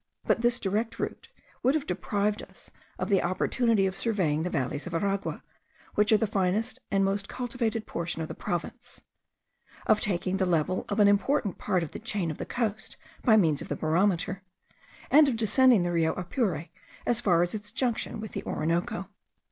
But this direct route would have deprived us of the opportunity of surveying the valleys of Aragua, which are the finest and most cultivated portion of the province; of taking the level of an important part of the chain of the coast by means of the barometer; and of descending the Rio Apure as far as its junction with the Orinoco.